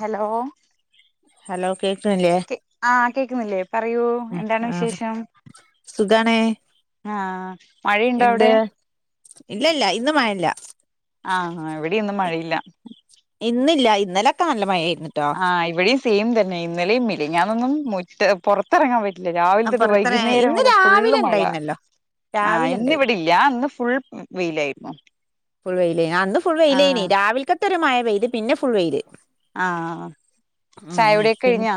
Hello hello കേക്കണില്ലേ കേ ആ കേക്കുന്നില്ലേ പറയൂ എന്താണ് ആ വിശേഷം സുഖാണ് ആഹ മഴയുണ്ടോ അവിടെ ഇല്ല ഇല്ല ഇന്ന് മഴല്ല ആഹ് ഇവിടെന്നും മഴയില്ല ഇന്നില്ല ഇന്നലെക്കെ നല്ല മഴായിരുന്നു ആഹ് ഇവിടെയും സെയിം തന്നെ ഇന്നലെിംമിനിഞാന്നൊന്നും മുറ്റ പുറത്തിറങ്ങാൻ പറ്റില്ല രാവിൽ തൊട്ട് അപ്പറത്തന വൈകുന്നേരം ഇന്ന് വരെ ഫുള്ള് രാവിലെ മഴ ഉണ്ടായിരുന്നല്ലോ ആഹ് രാവിലെ ഉണ്ടായി ഇന്നിവിടിൽ ഞാൻ അന്ന് ഫുൾ വെയിലായിരുന്നു ഫുൾ വെയിലേന്. ആഹ് ഇന്ന് ഫുൾ ആഹ് വെയിലേനി. രാവിൽക്കത്തെ ഒര് മയ പെയ്ത്. പിന്നെ ഫുൾ വെയിൽ ആഹ് ചായ കുടിയൊക്കെ കഴിഞ്ഞോ?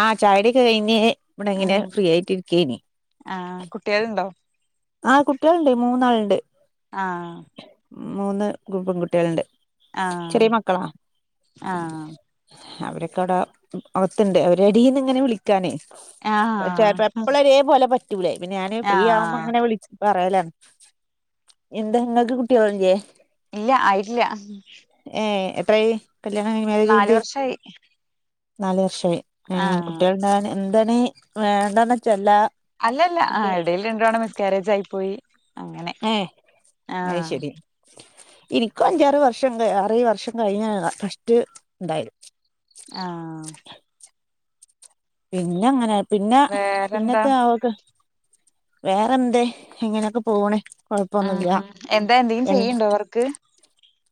ആഹ് ചായടി യൊക്കെ കഴിഞ്ഞ് ഇവിടെ ഉം ഇങ്ങനെ ഫ്രീ ആയിട്ടിരിക്കനി ആഹ് കുട്ടികളുണ്ടോ ആഹ് കുട്ടികളുണ്ട് മൂന്നാളുണ്ട് ആഹ് മൂന്ന് പെൺകുട്ടികളുണ്ട് ആഹ് ചെറിയ മക്കളാ ആഹ് അവരൊക്കെ അവടെ അകത്തുണ്ട് അവര എടിന്ന് ഇങ്ങനെ വിളിക്ക [unintelligible] ആഹ് എപ്പളരേ പോലെ പറ്റൂലേ പിന്നെ ഞാന് ഫ്രീ ആവുമ്പോ ആഹ് അങ്ങനെ വിള പറയലാണ് എന്താ നിങ്ങക്ക് കുട്ടികള് ല്യേ ഇല്ല ആയിട്ട്ല്ല ഏഹ് എത്രായി കല്യാണം കയ്ഞ്ഞ് മേരേജ് നാല് കൈഞ്ഞിട്ട് വർഷായി നാലു വർഷായി ഏഹ് ആഹ് കുട്ടിയേള്ണ്ടാവാൻ എന്തണ് വേണ്ടാന്ന് വച്ചല്ല അല്ലല്ല ആ ഇടയിൽ രണ്ടോണം മിസ്കാരേജ് ആയി പോയി അങ്ങനെ ഏഹ് അഹ് ആഹ് ശരി ഇന്ക്കും അഞ്ചാറ് വർഷം കയ് ആറേഴ് വർഷം കഴിഞ്ഞാണ് ഫസ്റ്റ് ണ്ടാ യേ ആഹ് പിന്നെ അങ്ങനെ പിന്നെ വേറെന്താ പിന്നത്തെ അവക്ക് വേറെന്ത്. ഇങ്ങനെയൊക്കെ പോണ് കൊഴപ്പൊന്നുല്ല ഉം എന്താ എന്തെങ്കിലും എ ചെയ്യണ്ടോ വർക്ക്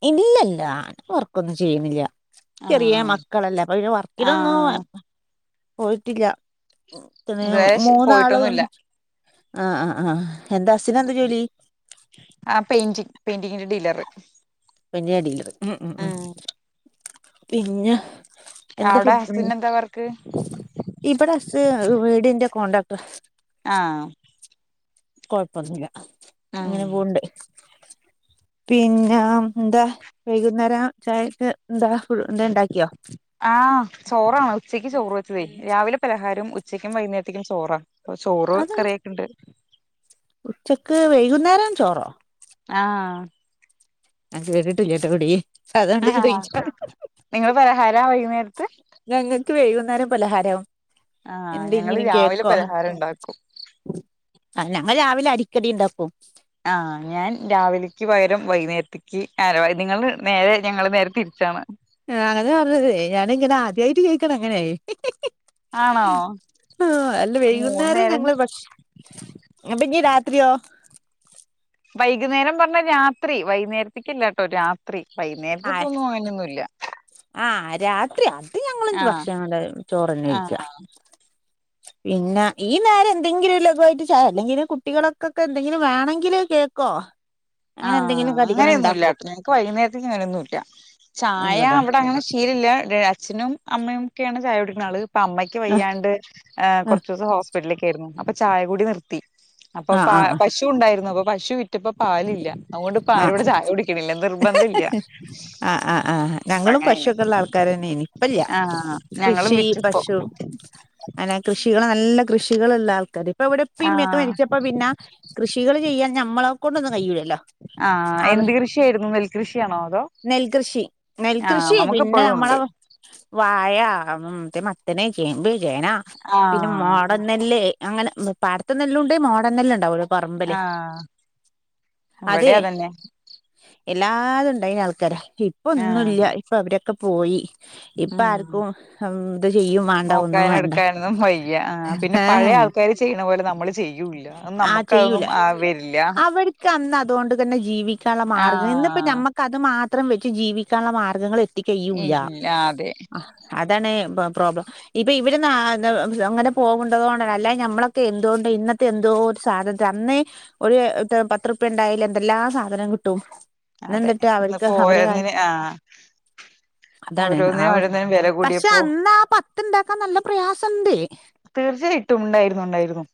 ഇല്ലല്ല ആ വർക്കൊന്നും ചെയ്യണില്ല ചെറിയ ആഹ് മക്കളല്ലേ അപ്പൊ വർക്കിനൊന്നും ആഹ് പോയിട്ടില്ല പിന്നെ ഇതുവരെ മൂന്നാള് പോയിട്ടൊന്നുല്ല ആഹ് ആഹ് ആഹ് എന്താ ഹസിനെന്താ ജോലി? ആ പെയിന്റി പെയിന്റിങ്ങിന്റെ ഡീലറ് ഇവടെയില് ഉം ഉ ഉ പിന്നെ എന്ത അവിടെ ഫുഡ് ഉം ഹസ്ബൻഡ് എന്താ വർക്ക് ഇവടെ ഹസ് വീടിന്റെ കോണ്ടാക്ട്ടറാ ആഹ് കൊഴപ്പൊന്നുല്ല ഉം അങ്ങനെ പോവ്ണ്ട് പിന്നെ എന്താ വൈകുന്നേരം ചായക്ക് എന്താ എന്താ ഉണ്ടാക്കിയോ ആഹ് ചോറാണ് ഉച്ചയ്ക്ക് ചോറ് വെച്ചതേ രാവിലെ പലഹാരും ഉച്ചക്കും വൈകുന്നേരത്തേക്കും ചോറാ പ്പൊ ചോറ് അത് കറിയൊക്കെ ണ്ട്. ഉച്ചക്ക് വൈകുന്നേരം ചോറോ ആഹ് ഞാൻ കേട്ട്ട്ട്ല്യട്ടൊ എവിടിം അതോണ്ട് ആഹ്ഹ ചോയിച്ചാ നിങ്ങള് പലഹാരവോ ഈ നേരത്ത് ഞങ്ങക്ക്വൈകുന്നേര പലഹാരം ആഹ് ഞങ്ങള് രാവിലെ പലഹാരണ്ടാക്കും ആ ഞങ്ങള് രാവിലെ അരിക്കടിണ്ടാക്കു ആഹ ഞാൻ രാവിലക്ക് പകരം വൈകുന്നേരത്ത്ക്ക് നിങ്ങള് നേരെ ഞങ്ങള് നേരെ തിരിച്ചാണ് ആ അതരണേ യേ ഞാനിങ്ങനെ ആദ്യായിട്ട് കേക്കണ് അങ്ങനെയ് ആണോ ആഹ്‌ അല്ല മൂന്ന് വൈകുന്നേര നേരം ഞങ്ങള് ഭശ് നിട്ട് നീ രാത്രീയോ വൈകുന്നേരം പറഞ്ഞ രാത്രി വൈകുന്നേരത്ത്ക്കല്ലാട്ടോ രാത്രി വൈകുന്നേരത്ത് ആഹ് പോന്നു അങ്ങനൊന്നുല്ല ആഹ് രാത്രി അത് ഞങ്ങളും ആഹ് ഭക്ഷണം ചോറന്നെക്കഴിക്ക ആഹ് പിന്നെ ഈ നേര എന്തെങ്കിലുംലഗു ആ യിട്ട് ച്ചാ അല്ലെങ്കിൽ കുട്ടികളൊക്കൊക്കെ എന്തെങ്കിലും വേണെങ്കില് കേ കോ ആഹ് അങ്ങനെയന്നുല്ല ഞക്ക് വൈകുന്നേരതക്ക് അങ്ങനെയൊന്നുല്ല ചായ ആഹ് അവടങ്ങനെ ശീലില്ല [unintelligible] അച്ഛനുംഅമ്മയുംക്കെയാണ് ചായ കുടിക്ണആള് ഇപ്പ അമ്മക്ക് വയ്യാണ്ട് കൊറച്ചൂസം ഹോസ്പിറ്റലിലേക്കെര്ന്നു അപ്പൊ ചായ കൂടി നിർത്തി ആഹ് അപ്പൊപാ ആഹ് പശു പശുണ്ടാര്ന്നു അപ്പൊ പശു വിറ്റപ്പ പാലില്ല അതോണ്ട്പ്പ ആരു ആഹ് പടെചായ കുടിക്കണില്ല നിർബന്ധം ഇല്ല്യ ആഹ് ആഹ് ആ ഞങ്ങളും പശു ഒക്കെ ഉള്ള ആൾക്കാരെന്നെണ്പ്പല്ല്യ ആഹ് ഞങ്ങളും കൃഷി വിറ്റുപ്പോ പശു അങ്ങനെ കൃഷികള്നല്ലകൃഷികള്ള്ള ആൾക്കാര് അവിടെപ്പമ്മയൊക്കെ ആഹ് മരിച്ചപ്പോ പിന്ന കൃഷികള്ചെയ്യാൻ നമ്മളെ കൊണ്ടൊന്നും കഴിയുല്ലല്ലോ ആഹ എന്ത് കൃഷിയെര്ന്നു നെൽകൃഷിആണോ അതോ ആഹ് നമുക്കിപ്പോഴും ഉണ്ട് നെൽകൃഷിനെൽകൃഷിപിന്നെനമ്മളെ വായമറ്റേമത്തന് ചേമ്പ് ചേന പിന്നെ ആഹ് മോഡൻ നെല്ല് അങ്ങനെ പാടത്തെ നെല്ലുണ്ട് മോഡൺനെല്ല് ഉണ്ടാവലോ ആഹ് അതെ ഇവിടെ അതന്നെ എല്ലാതും ണ്ടായ്നആൾക്കര ആഹ് ഇപ്പൊന്നുംല്ല്യ ഇപ്പഅവരൊക്കെപോയി ഇപ്പ ഉം ആർക്കുംമംത്ചിയ്യുംവാണ്ടഒന്നും നോക്കാനും വാണ്ട ആക്കാര് ചെയ്യുന്നപോലെനമ്മള് ചെയ്യൂല്ല അനമ്മക്കത്ആവെര്ല്ല്യ അവെട്ക്കന്നത് അതൊണ്ട് തന്നെ ജീവിക്കാള്ള ആ മാർഗ്ഗം ഇന്ന്പ്പനമ്മക്ക്അത് മാത്രംവെച്ച് ജീവിക്കാള്ള മാർഗ്ഗങ്ങള് ത്തി ഇല്ല അതെ കെയ്യുല്യഅഅതാണ്പ പ്രോബ്ലം ഇപ്പൊ ഇവരൊന്നാ [unintelligible] അങ്ങനെ പോവണ്ടതോണ്ടാണ് അല്ലായെ ഞ്ഞമ്മളൊക്കെഎന്തോണ്ട് ഇന്ന എന്തോഒര്സാധന അന്ന് ഒരു പത്ത്റുപ്യ ഉണ്ടായാല്എന്തെല്ലാ സാധനംകിട്ടും അതെ ഇന്നിപ്പോ ന്ന്ന്നിട്ട്അവർക്ക്അവരെ [unintelligible] ഓരോന്നിന് ആ ഓരോന്നിനും ഓരോന്നിനും വില കൂടിയപ്പോ അതാണ്ആഒര്പഷേഅന്നാ പത്ത്ണ്ടാക്കാൻ നല്ലപ്രയാസണ്ട് തീർച്ചയ്ട്ടുംണ്ടായിരുന്നുഉണ്ടായിരുന്നു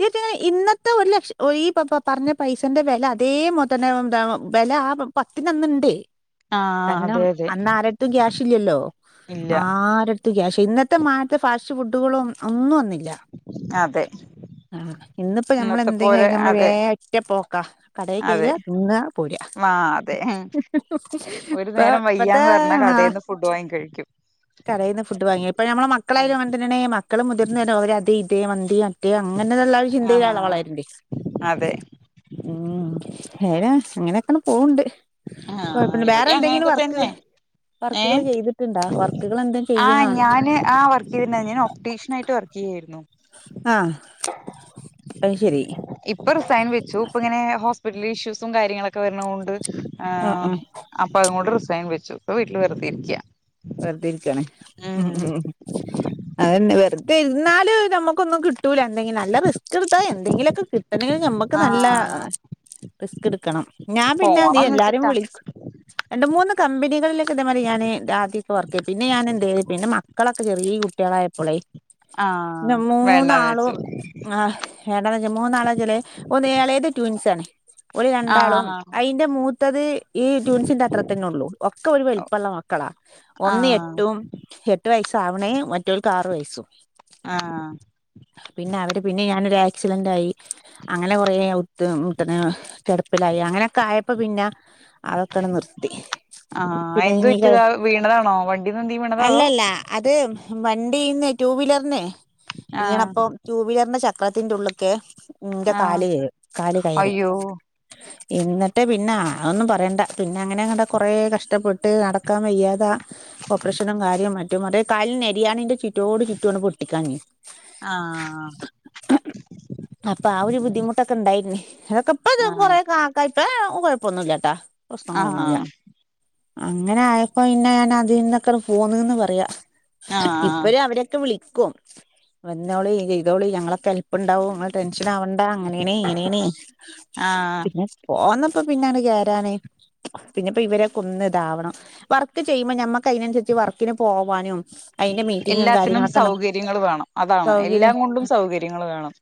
തീർച്ചയായ്ഇന്നത്തെ ഒരു ലക്ഷം ഈപ പ പറഞ്ഞപൈസന്റെവെല അതേമൊതന്നെന്താവെലആ പത്തിനന്ന്‌ണ്ടേയ് ആ അതെ അതെ കര്ണംഅന്ന് ആരട്ത്തുംഗ്യാഷ് ഇല്ല ഇല്ല്യല്ലോആരട് ത്ത്ഗ്യാഷ് ഇന്നത്തെ മാത്തെ ഫാശ്ഫുഡുകളുംഒന്നും അന്നില്ല അതെ ആഹ് ഇന്നത്തെ ഇന്ന്പ്പനമ്മള്ന്തെങ്കും കഴിഞ്ഞാ നമ്മഴ് വേ ഒറ്റ പോക്കാ കടയിൽ കേറാ തിന്നാ പോരാ അതെവാ അതെഹ് ഇപ്പ ഒര്നേരം ഇപ്പത്തെ വയ്യാന്ന്പർണകടേന്ന് ഫുഡ് വാങ്ങികഴിക്യും കടേന്ന്ഫുഡ്‌വാങ്ങി ഇപ്പനമ്മളെ മക്കളായലുംഅങ്ങൻതന്നെണിമക്ക മക്കള് മുതിർന്ന ഓര് അത് ഇത് മന്തി മറ്റേ അങ്ങനെള്ള ഒരു ആ ചിന്തയിലാളോ വളര്ണ്ട് അതെ ഉം വേരാ അങ്ങനെയൊക്കട് പോണ്ട് ആ കൊഴപില്ല ഇവിടെ വേറന്തെങ്കിലും അങ്ങനെയൊക്കെ വർക്ക് തന്നെ വർക്കുകൾ ഏഹ് ചെയ്തിട്ടുണ്ടാ വർക്കുകൾ എന്ത ആഹ് ചെയ്യാണ് ഞാന് ആഹ് വർക്ക് ചെയ്തിട്ടുണ്ടായിരുന്നു ഞാൻ ഒപറ്റീഷ്യനായിട്ട് വർക്ക് ചെയ്യുകയായിരുന്നു ആഹ് അത് ശരി ഇപ്പൊ റിസൈൻ വെച്ചു ഇപ്പൊ ഇങ്ങനെ ഹോസ്പിറ്റൽ ഇഷ്യൂസും കാര്യങ്ങളൊക്കെ വരണകൊണ്ട് ആഹ് അപ്പൊ അതു കോണ്ട് റിസൈൻ വെച്ചു ഇപ്പൊ വീട്ടിൽ വെറുതിരിക്കയാ വെറുതെരിക്കാല്ലേ ഉം ഉം അതന്നെ വെറുതെ ഇരുന്നാല് നമുക്കൊന്നും കിട്ട കിട്ടൂല എന്തെങ്കിലും നല്ല റിസ്ക് എടുത്താ എന്തെങ്കിലൊക്കെ കിട്ടണെങ്കിൽ നമുക്ക് നല്ല ആഹ് റിസ്ക് ട്ക്കണം ഞാൻ പിന്നെ മതി പോണംന്ന് വെച്ചിട്ടാ എല്ലാരുംവിളിക് രണ്ട്മൂന്ന് കമ്പനികളിലക്കെഇതേ മാരി ഞൻജാദി ചർക്കെ പിന്നെ ഞാൻ എന്ത്‌ ചെയതു പിന്നെ മക്കളൊക്കെ ചെറിയ കുട്ടികളായപ്പോളെ ന്റെ ആഹ് വേണ്ടാന്ന് മൂന്നാളും വെച്ചു ആഹ് വേണ്ടാന്ന് വെച്ചാൽ മൂന്നാളാച്ചാൽ പുതിയ ഏളേത് ട്യൂൻസാണ് ഓൽ രണ്ടാളും ആഹ് അയിന്റെ മൂത്തത് ഈ ട്വിൻസിന്റെ അത്ര തന്നെ ഒള്ളു ഒക്കെ ഒരു വെലിപ്പള്ള മക്കളാ ഒന്ന് ആഹ് എട്ടും എട്ട് വയസ്സ ആവണേ മറ്റവൾക്ക് ആറു വയസ്സും ആഹ് പിന്നെ അവര് പിന്നെ ഞാനൊരു ആക്സിഡന്റായി അങ്ങനെ കൊറേ ഔത്ത് [unintelligible] കിടപ്പിലായി അങ്ങനെയൊക്കെ ആയപ്പോ പിന്നെ അതൊക്കെ അങ്ങ് നിർത്തി ആഹ് പിന്നെ എന്ത് ഇനി പറ്റിയതാ വീണതാണോ വണ്ടീന്ന് എന്തെങ്കിലും വീണതോ അതോ അല്ലല്ല അത് വണ്ടീന്ന് ടു വീലറിന്ന് ആഹ് വീണപ്പം ടു വീലറിന്റെ ചക്രത്തിന്റെ ഉള്ള്ക്കെ ഇന്റെ ആഹ് കാല് കേ കാല് കയറി അയ്യോ എന്നിട്ട് പിന്നെ അതൊന്നും പറയണ്ട പിന്നെ അങ്ങനെങ്ങട് കൊറെ കഷ്ടപ്പെട്ട് നടക്കാൻ വയ്യാതാ ഓപ്പറേഷനും കാര്യവും മറ്റും അതേ കാലിന്റെ നെരിയാണീന്റെ ചുറ്റോട് ചുറ്റും അങ്ങട്ട് പൊട്ടിക്കാണ് ആഹ് അപ്പൊ ആ ഒരു ബുദ്ധിമുട്ടൊക്കെ ഉണ്ടായിരുന്നു അതൊക്കെ ഇപ്പൊ ഇത് ആഹ് കൊറെ കാ ഇപ്പൊ കുഴപ്പൊന്നുമില്ലാട്ടാ പ്രശ്നങ്ങളൊന്നുമില്ല ആഹ് അങ്ങനെ ആയപ്പോ ന്നെ പിന്നെ അതിൽന്നൊക്കെ പോന്നുന്ന് പറയാ ആഹ് ഇപ്പഴും അവരൊക്കെ വിളിക്കും വന്നോളി ചെയ്തോളി ഞങ്ങളൊക്കെ ഹെൽപ്ണ്ടാവും നിങ്ങൾ ടെൻഷൻ ആവണ്ട അങ്ങനേണ് ഇങ്ങനേണ് ആഹ് പിന്നെ പോന്നപ്പോ പിന്നങ്ങട്ട് കേറാൻ പിന്നെപ്പോ ഇവരൊക്കെ ഒന്ന് ഇതാവണം വർക്ക് ചെയ്യുമ്പോ ഞമ്മുക്ക് അതിനനുസരിച്ച് വർക്കിന് പോവാനും അതിന്റെ മീറ്റിങ്ങും എല്ലാത്തിനും കാര്യങ്ങളൊക്കെ സൗകര്യങ്ങൾ വേണം അതാണ് സൗകര്യ എല്ലാം കൊണ്ടും സൗകര്യങ്ങൾ വേണം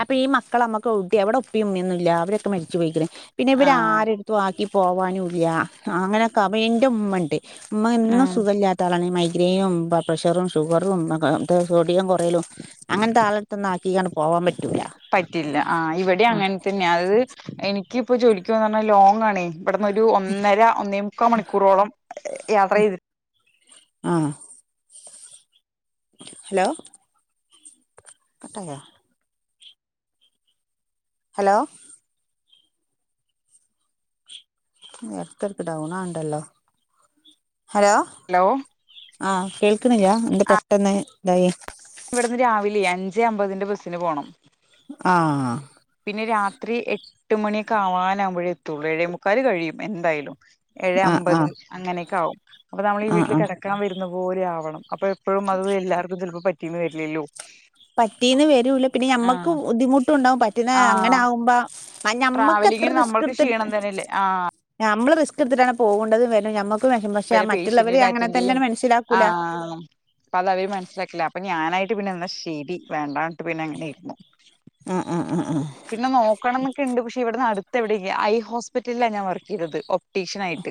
അപ്പൊ ഈ മക്കൾ അമ്മക്ക് എവ്‌ടെ ഇവടെ ഉപ്പിം ഉമ്മിം ഒന്നുല്ലഅവരൊക്കെ മരിച്ച് പോയ്ക്ക്ണ് പിന്നെ ഇവര് ആഹ് ആരെ ടത്തും ആക്കി പോവാനും ഇല്ല ആഹ് അങ്ങനെയൊക്കെ അപ്പൊ ന്റെ ഉമ്മണ്ട് ഉമ്മ ഇന്നും സുഖല്യാത്ത ആളാണ് ഈ മൈഗ്രൈനും പ്രഷറും ഷുഗറും ഒക്കെ ഇത് സോഡിയം കൊറ യലും അങ്ങനത്തെ ആളെടുത്തൊന്നും ആക്കിക്കാണ്ട് പോവാൻ പറ്റൂല പറ്റില്ല ആഹ് ഇവിടെയും ആ അങ്ങനെ തന്നെയാ അതായത് എനിക്കിപ്പോ ജോലിക്ക് പോവാന്ന് പറഞ്ഞാ ലോങ്ങാണേ ഇവിടന്ന് ഒരു ഒന്നര ഒന്നേമുക്കാൽ മണിക്കൂറോളം യാത്ര ചെയ്തിട്ട ആഹ് ഹലോ കട്ടായ ഹലോ എടക്കെടക്ക് ഡൗൺ ആകുണ്ടല്ലോ ഹലോ ഹലോ ആഹ് കേൾക്കുന്നില്ല എന്ത് പെട്ടെന്ന് ഇതായി ഇക്ക് ഇവിടുന്ന് രാവിലെ അഞ്ച് അമ്പതിന്റെ ബസ്സിന് പോണം ആഹ് പിന്നെ രാത്രി എട്ട് മണിയൊക്കെ ആവാനാവുമ്പോഴേ എത്തുള്ളൂ ഏഴേമുക്കാല് കഴിയും എന്തായാലും ഏഴ് ആ ആ അമ്പത് അങ്ങനെയൊക്കാവും അപ്പൊ നമ്മളീ ആ വീട്ടിൽ ആ കിടക്കാൻ വരുന്ന പോലെ ആവണം അപ്പൊ എപ്പഴും അത് എല്ലാവർക്കും ചെൽപ്പം പറ്റീന്ന് വരില്ലല്ലോ? പറ്റീന്ന് വരൂല പിന്നെ ഞമ്മക്ക് ആഹ് ബുദ്ധിമുട്ടുണ്ടാവും പറ്റുന്ന ആഹ് അങ്ങനാവുമ്പ ആഹ് ഞമ്മക്കത്ര ട്രാവലിങ്ങിന് റിസ്ക്ക് നമ്മൾക്ക് എടുത്തിട് ക്ഷീണം തന്നെയല്ലേ ആ ഞമ്മള് റിസ്ക് എടുത്തിട്ടാണ് പോകുണ്ടതും വര്ന്നതും ഞമ്മക്ക് പക്ഷെ അവരെ ആഹ് മറ്റുള്ളവര് അങ്ങനെ തന്നെയാണ് മനസ്സിലാക്കൂല. ആഹ്. അപ്പ അത് അവര് മനസ്സിലാക്കില്ല അപ്പൊ ഞാനായിട്ട് പിന്നെ എന്ന ശരി വേണ്ടാ പിന്നെ അങ്ങനെ ഇരുന്നു. ആ ആ ആ ആ പിന്നെ നോക്കണം ന്നൊക്കെ ഉണ്ട് പക്ഷെ ഇവിടുന്ന് അടുത്ത് എവിടെയും ഇല്ല ഐ ഹോസ്പിറ്റലിലാണ് ഞാൻ വർക്ക് ചെയ്തത് ഒപ് ടീഷനായിട്ട്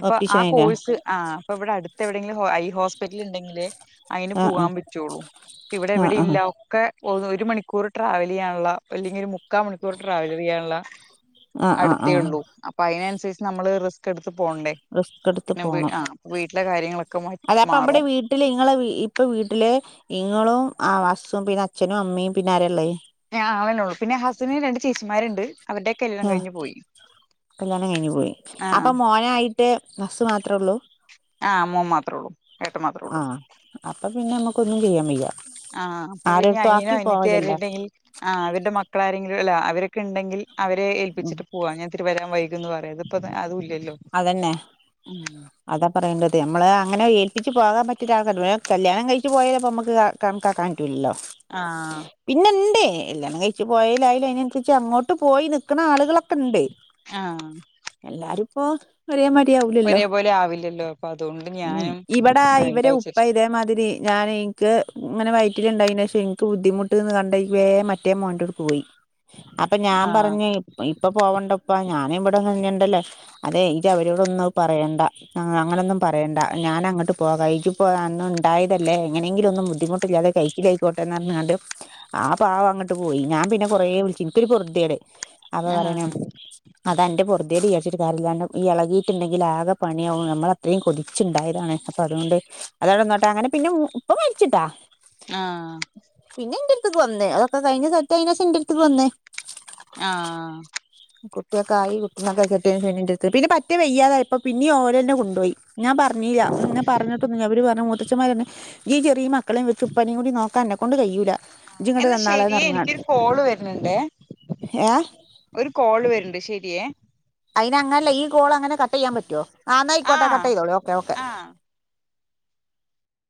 അപ്പൊ ആ ഓപ്റ്റീഷ്യനായിട്ടാ ആഹ് അപ്പൊ ഇവിടെ അടുത്തെവിടെങ്കിലും ഐ ഹോസ്പിറ്റല് ഉണ്ടെങ്കില് അയിന് ആ ആ പോകാൻ പറ്റുള്ളൂ ഇവിടെ ആ എവിടെ ഇല്ല ഒക്കെ ഓ ഒരു മണിക്കൂർ ട്രാവൽ ചെയ്യാനുള്ള അല്ലെങ്കിൽ ഒരു മുക്കാൽ മണിക്കൂർ ട്രാവൽ ചെയ്യാനുള്ള ആ ആ ആ അടുത്തേ ആ ഉള്ളൂ അപ്പൊ അയിനനുസരിച്ച് നമ്മള് റിസ്ക് എടുത്ത് പോണ റിസ്ക് എടുത്ത് പോണം കാര്യങ്ങളൊക്കെ അത് അപ്പ അവിടെ മാറും വീട് വീട്ടില് ഇങ്ങളെ ഇപ്പ വീട്ടില് ഇങ്ങളും ആഹ് ഹസ്സും പിന്നെ അച്ഛനും അമ്മയും പിന്നെആരെയുള്ളത്. ഞലെന്നെഉള്ളൂ പിന്നെ ഹസ്സിന് രണ്ട് ചേച്ചിമാര്ണ്ട്. ആഹ് കല്ല്യാണം കഴിഞ്ഞു പോയി ആ അപ്പൊ മോനായി ട്ട് ഹസ്സ് മാത്ര ഉള്ളൂ? ആഹ് മോന് മാത്രേ ഉള്ളൂ എട്ടൻ മാത്ര ഉള്ളൂ. ആ അപ്പൊ പിന്നെ നമ്മുക്കോന്നും ചെയ്യാൻ വയ്യാ. ആഹ് അപ്പൊ പിന്ന അനിയനോ അനി യത്തിയോ അര്ണ്ടെങ്കിൽ. ആഹ് അവരുടെ മക്കളാരെങ്കിലും അല്ല അവരൊക്കെ ണ്ടെങ്കിൽ അവരെ ഉം ഏൽപ്പിച്ചിട്ട് പോവാ ഞാ ത്തിരി വരാൻ വൈക്കുംന്ന് പറയാ ഇത്പ്പോ അതും ഇല്ല. അതന്നെ. അതാപറയേണ്ടത് നമ്മൾ അങ്ങനെ ഏൽപ്പിച്ച് പോകാൻ പറ്റിയ ആൾക്കാര് കല്ല്യാണം കഴിച്ച് പോയാല് നമുക്ക്. കാ കണക്കാൻ പറ്റില്ലല്ലോ? ആഹ്. പിന്നെണ്ട് കല്ല്യാണം കഴിച്ചു പോയൽആയാലും അതിന് അനുസരിച്ച് അങ്ങോട്ട്പോയിനിക്ക്ണആളുകളൊക്കെണ്ട്. ആഹ്. എല്ലാരും ഇപ്പോ. ഒരേ മാരി ആവുലല്ലോ ഒരേപോലെ ആവില്ലല്ലോ അപ്പൊ അതുകൊണ്ട് ഉം ഞാനും ഇവിടെ വേണ്ട ഇവരെ ഉപ്പ വെച്ചിട്ട് ഇതേമാതിരി. ഞാൻ എനിക്ക് ഇങ്ങനെ വയറ്റില് ഇണ്ടായിന ശേഷം എനിക്ക് ബുദ്ധിമുട്ട്ന്ന് കണ്ടക്ക് വേമറ്റേ മോനോട്ട്ക്ക് പോയി. അപ്പൊ ഞാൻ ആ പറഞ്ഞ് ഇപ്പൊ പോവണ്ടഉപ്പാ ഞാനും ഇവിടെ തന്നിണ്ടല്ലേ? അതെ ഇജ് അവരോട് ഒന്നും അത് പറയണ്ട. ആഹ് അങ്ങനൊന്നും പറയണ്ട ഞാൻ അങ്ങട്ട് പോക ഇജ് പോ അന്നും ഉണ്ടായതല്ലേ എങ്ങനെയെങ്കിലും ഒന്ന് ബുദ്ധിമുട്ടില്ലാതെ. കൈച്ചിൽ ആയിക്കോട്ടെന്ന് പറഞ്ഞ്കാണ്ട്. ആ പാവം അങ്ങട്ട് പോയി ഞാൻ പിന്നെ കൊറെ വിളിച്ചു ഇനിക്കൊരു പെറുതേട്. അപ്പ ആ പറയണ് അതെന്റെ പൊറുതേട് വിചരിച്ചിട്ട്. ഇതാരല്ലാണ്ട് ഈ ഇളകിയിട്ടുണ്ടെങ്കി ആകെ പണിയാവും നമ്മള് അതൃമ് കൊതിച്ചുണ്ടായതാണ് അപ്പ അതോണ്ട്. അതോടന്നോട്ടാ അങ്ങനെ പിന്നെ ഉപ്പ മരിച്ചിട്ടാ. ആഹ്. പിന്നെ ഇന്റെ അടുത്ത്ക്ക് വന്ന് അതൊക്കെ കഴിഞ്ഞ് സെറ്റ് അയതിനേഷം ഇന്റെ അടുത്ത്ക്ക് വന്ന്. ആഹ്. കുട്ടിയൊക്കെ ആയി കുട്ടിനൊക്കെ കിട്ടിയ ശേഷം പിന്നെ പറ്റേ വെയ്യാതായിപ്പ പിന്നിം ഓരോന്നെ കൊണ്ടോയി. ഞാൻ പറഞ്ഞില്ല ഉം ഞാൻ പറഞ്ഞിട്ടൊന്ന അവര് പറഞ്ഞ് മൂത്തച്ഛന്മാര് ഞ് ഇച്ച് ഈ ചെറിയ മക്കളെയും വെച്ച് ഉപ്പനയും കൂടി നോക്കാൻ അന്നെകൊണ്ട് കയ്യൂല്ല. എന്നാ ശരിയെ എനിക്കൊരു കോള് വരുന്നുണ്ടേ? ഏഹ് ഒരു കോള് വര്ണ്ട് ശരിയേ. അതിന് അങ്ങനല്ല ഈ കോൾ അങ്ങനെ കട്ട് ചെയ്യാൻ പറ്റൊ ആഹ് ന്നാ ആയിക്കോട്ട ആഹ് കട്ടയ്തോളൂ ഒക്കെ. ഓക്കെ ആഹ്